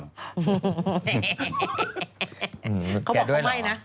เขาบอกเขาไม่นะ